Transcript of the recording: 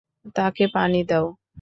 তাকে পানি দাও।